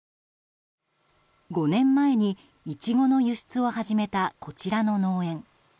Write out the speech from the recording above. ５年前にイチゴの輸出を始めたこちらの農園。